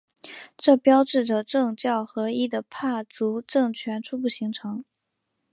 这标志着政教合一的帕竹政权初步形成。